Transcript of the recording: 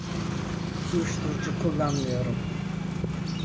Uyuşturucu kullanmıyorum.